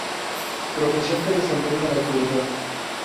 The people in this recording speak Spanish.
Profesión que desempeña en la actualidad.